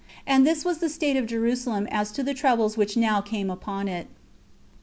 And this was the state of Jerusalem as to the troubles which now came upon it.